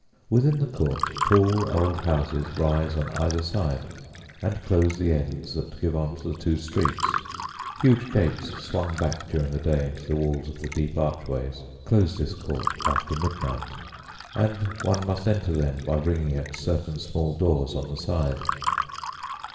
Within the court tall old houses rise on either side, and close the ends that give on the two streets. Huge gates, swung back during the day into the walls of the deep archways, close this court, after midnight, and one must enter then by ringing at certain small doors on the side.